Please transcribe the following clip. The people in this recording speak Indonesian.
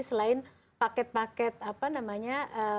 selain paket paket apa namanya